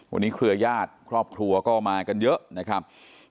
วันนี้เครือญาติครอบครัวก็มากันเยอะนะครับ